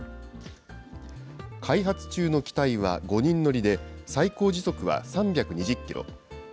開発中の機体は５人乗りで、最高時速は３２０キロ。